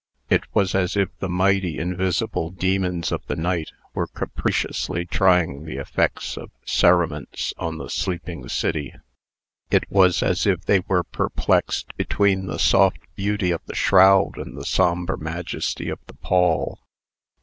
It was as if the mighty invisible demons of the night were capriciously trying the effects of cerements on the sleeping city. It was as if they were perplexed between the soft beauty of the shroud and the sombre majesty of the pall.